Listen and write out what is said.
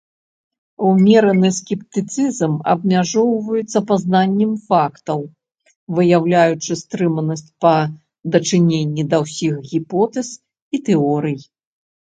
Ўмераны скептыцызм абмяжоўваецца пазнаннем фактаў, выяўляючы стрыманасць па дачыненні да ўсіх гіпотэз і тэорый.